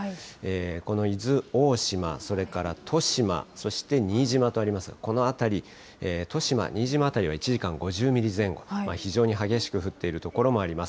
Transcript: この伊豆大島、それからとしま、そして新島とありますが、この辺り、利島、新島辺りは１時間に５０ミリ前後、非常に激しく降っている所もあります。